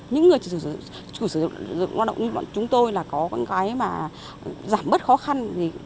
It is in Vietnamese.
những người chủ sử dụng hoạt động như chúng tôi là có cái mà giảm bớt khó khăn